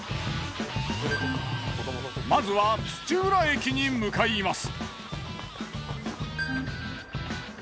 まずは土浦駅に向かいます。